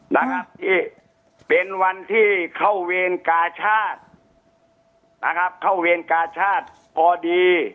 นะครับที่เป็นวันที่เข้าเวรกาชาตินะครับเข้าเวรกาชาติพอดี